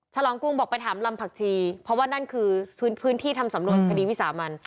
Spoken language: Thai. ฉลองกรุงบอกไปถามลำผักชีเพราะว่านั่นคือพื้นที่ทำสำนวนคดีวิสามัน